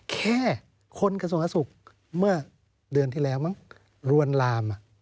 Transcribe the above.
แค่คนกระทรวงอาศุกร์เมื่อเดือนที่แล้วมั้งรวนลาม